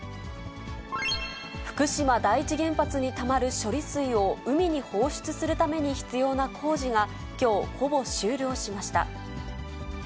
福島第一原発にたまる処理水を海に放出するために必要な工事が、きょう、ほぼ終了しました。